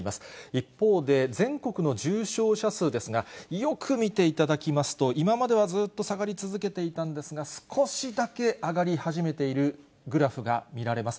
一方で、全国の重症者数ですが、よく見ていただきますと、今まではずっと下がり続けていたんですが、少しだけ上がり始めているグラフが見られます。